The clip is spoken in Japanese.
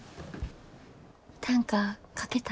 短歌書けた？